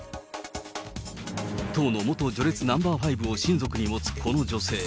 党の元序列ナンバー５を親族に持つこの女性。